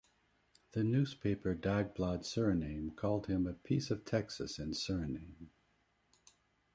The newspaper "Dagblad Suriname" called him "a piece of Texas in Suriname".